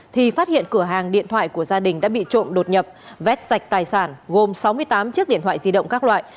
thì phát hiện cửa hàng điện thoại của gia đình đã bị trộm đột nhập vét sạch tài sản gồm sáu mươi tám chiếc điện thoại di động các loại